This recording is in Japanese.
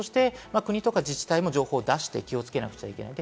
国とか自治体も情報を出して、気をつけなくちゃいけない。